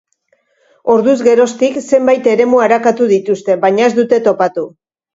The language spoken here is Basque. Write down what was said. Orduz geroztik zenbait eremu arakatu dituzte, baina ez dute topatu.